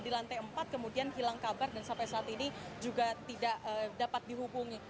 di lantai empat kemudian hilang kabar dan sampai saat ini juga tidak dapat dihubungi